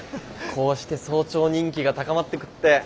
こうして総長人気が高まってくって！